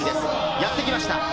やってきました。